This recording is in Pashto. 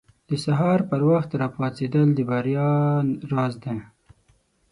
• د سهار پر وخت پاڅېدل د بریا راز دی.